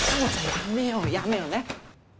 やめようやめよう。